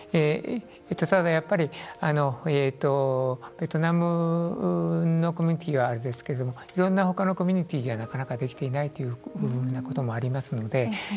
ただ、やっぱりベトナムのコミュニティーはあれですけれどもいろんな他のコミュニティーじゃなかなかできていないという部分なこともありますので。